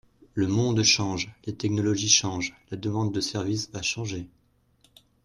Le monde change, les technologies changent, la demande de services va changer.